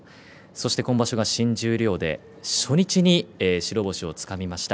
今場所が新十両で初日に白星をつかみました。